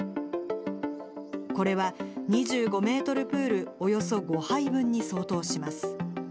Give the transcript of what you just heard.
これは、２５メートルプールおよそ５杯分に相当します。